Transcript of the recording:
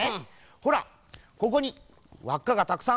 ほらここにわっかがたくさんあるだろう。